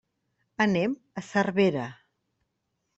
Anem a Cervera.